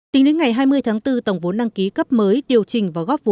tính đến ngày hai mươi tháng bốn tổng vốn đăng ký cấp mới điều trình và góp vốn